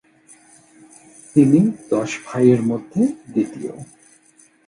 তিনি দশ ভাইয়ের মধ্যে দ্বিতীয়।